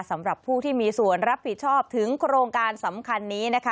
สำหรับผู้ที่มีส่วนรับผิดชอบถึงโครงการสำคัญนี้นะคะ